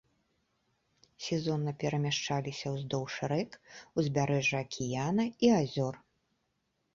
Сезонна перамяшчаліся ўздоўж рэк, узбярэжжа акіяна і азёр.